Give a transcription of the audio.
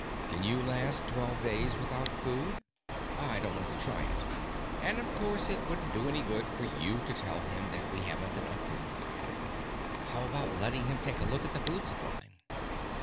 Can you last twelve days without food?" "I don't want to try it. And of course it wouldn't do any good for you to tell him that we haven't enough food. How about letting him take a look at the food supply?"